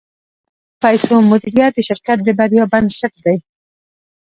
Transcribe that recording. د پیسو مدیریت د شرکت د بریا بنسټ دی.